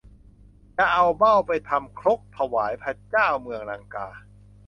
จะเอาเบ้าไปทำครกถวายพระเจ้าเมืองลังกา